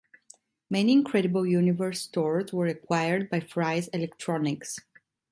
Many Incredible Universe stores were acquired by Fry's Electronics.